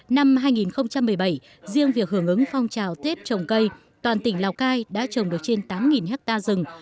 năm hai nghìn một mươi bảy riêng việc hưởng ứng phong trào tết trồng cây toàn tỉnh lào cai đã trồng được trên tám hectare rừng